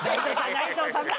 内藤さんだ